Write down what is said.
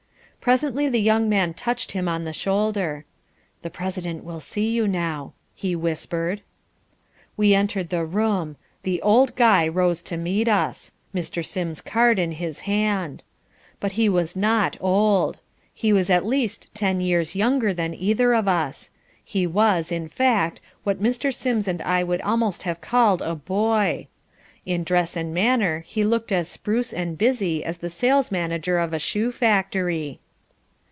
Presently the young man touched him on the shoulder. "The President will see you now," he whispered. We entered the room. The "old guy" rose to meet us, Mr. Sims's card in his hand. But he was not old. He was at least ten years younger than either of us. He was, in fact, what Mr. Sims and I would almost have called a boy. In dress and manner he looked as spruce and busy as the sales manager of a shoe factory.